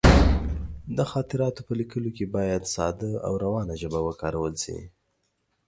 د خاطراتو په لیکلو کې باید ساده او روانه ژبه وکارول شي.